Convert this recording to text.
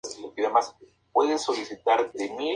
Es uno de los últimos paisajes de Gainsborough.